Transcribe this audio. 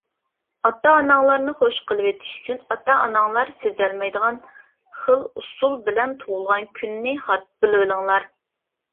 -ئاتا-ئاناڭلارنى خۇش قىلىۋېتىش ئۈچۈن، ئاتا-ئاناڭلار سېزەلمەيدىغان خىل ئۇسۇل بىلەن تۇغۇلغان كۈنىنى بىلىۋېلىڭلار.